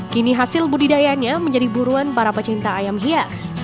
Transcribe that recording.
kini hasil budidayanya menjadi buruan para pecinta ayam hias